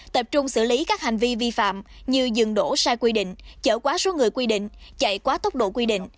tập trung xử lý các hành vi vi phạm như dừng đổ sai quy định chở quá số người quy định chạy quá tốc độ quy định